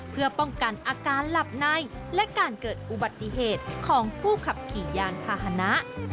เพื่อป้องกันอาการหลับในและการเกิดอุบัติเหตุของผู้ขับขี่ยานพาหนะ